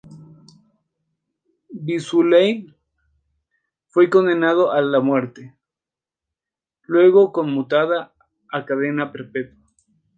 Beausoleil fue condenado a muerte, luego conmutada a cadena perpetua.